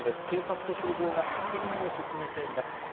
警察と消防が確認を進めています。